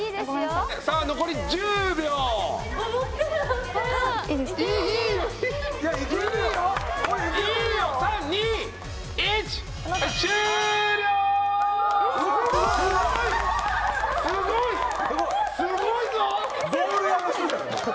すごい！